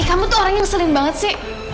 ihh kamu tuh orang yang ngeselin banget sih